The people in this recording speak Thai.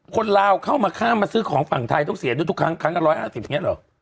ลาวเข้ามาข้ามมาซื้อของฝั่งไทยต้องเสียด้วยทุกครั้งครั้งละ๑๕๐อย่างนี้เหรอ